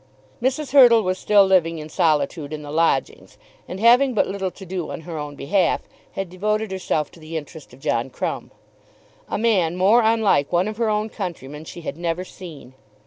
Mrs. Hurtle was still living in solitude in the lodgings, and having but little to do on her own behalf, had devoted herself to the interest of John Crumb. A man more unlike one of her own countrymen she had never seen.